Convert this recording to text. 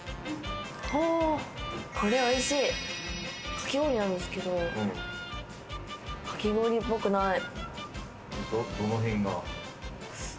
これ、おいしいかき氷なんですけど、かき氷っぽくない。